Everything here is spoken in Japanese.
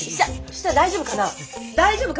舌大丈夫かな？